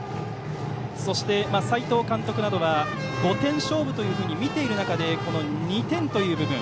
そして、斎藤監督などは５点勝負とみている中で２点という部分。